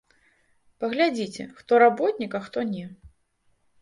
Паглядзіце, хто работнік, а хто не.